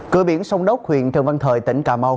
cửa biển sông đốc huyện trần văn thời tỉnh cà mau